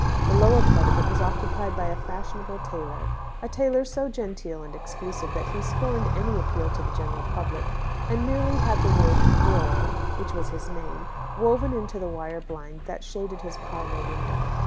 The lower part of it was occupied by a fashionable tailor a tailor so genteel and exclusive that he scorned any appeal to the general public, and merely had the word "Groll" (which was his name) woven into the wire blind that shaded his parlour window.